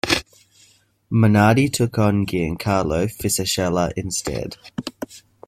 Minardi took on Giancarlo Fisichella instead.